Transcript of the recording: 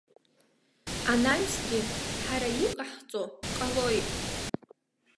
Анаҩсгьы ҳара иҟаҳҵо ҟалоит!